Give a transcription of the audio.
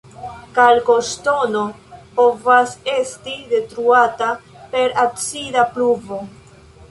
Kalkoŝtono povas esti detruata per acida pluvo.